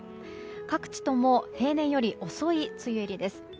各地とも平年より遅い梅雨入りです。